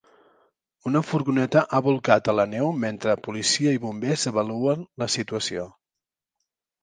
Una furgoneta ha bolcat a la neu mentre policia i bombers avaluen la situació.